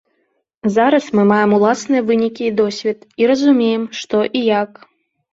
Зараз мы маем уласныя вынікі і досвед, і разумеем, што і як.